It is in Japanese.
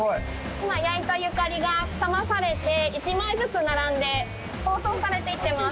今、焼いた「ゆかり」が冷まされて１枚ずつ並んで個包装されていってます。